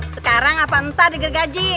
sekarang apa entah digergaji